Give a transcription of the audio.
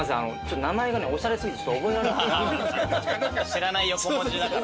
知らない横文字だから。